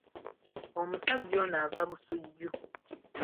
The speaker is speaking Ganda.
Omusajja ono ava Busujju.